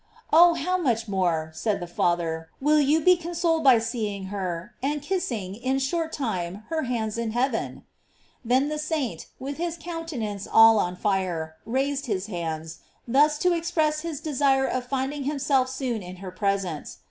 "Oh, how much more," said the Father, "will you be consoled by seeing her, and kissing, in a short time, her hands in heaven !" Then the saint, with his countenance all on fire, raised his hands, thus to express his desire of finding himself soon in her presence.